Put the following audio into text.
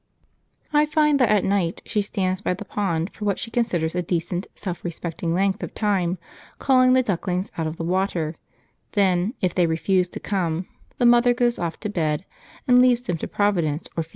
I find that at night she stands by the pond for what she considers a decent, self respecting length of time, calling the ducklings out of the water; then, if they refuse to come, the mother goes off to bed and leaves them to Providence, or Phoebe.